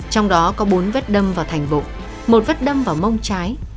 trong đó có bốn vết đâm vào thành bụng một vết đâm vào mông trái